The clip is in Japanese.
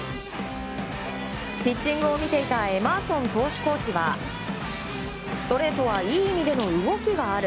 ピッチングを見ていたエマーソン投手コーチはストレートはいい意味での動きがある。